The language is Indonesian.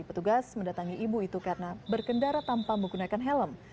petugas mendatangi ibu itu karena berkendara tanpa menggunakan helm